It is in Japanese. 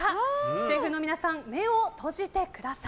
シェフの皆さん目を閉じてください。